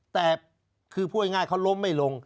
แต่เค้าหลมไม่ลง